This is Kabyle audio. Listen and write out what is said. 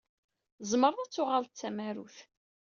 Tzemreḍ ad tuɣaleḍ d tamarut.